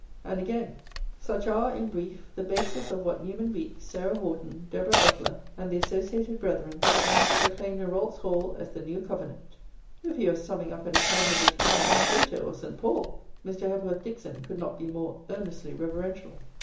And again: "Such are, in brief, the bases of what Newman Weeks, Sarah Horton, Deborah Butler, and the associated brethren, proclaimed in Rolt's Hall as the new covenant!" If he was summing up an account of the teaching of Plato or St. Paul, Mr. Hepworth Dixon could not be more earnestly reverential.